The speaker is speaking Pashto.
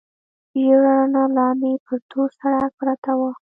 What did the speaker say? ژېړه رڼا، لاندې پر تور سړک پرته وه.